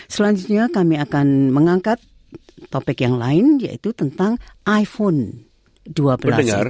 selanjutnya kami akan mengangkat topik yang lain yaitu tentang iphone dua belas